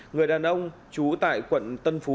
người đàn ông trú tại quận tân phú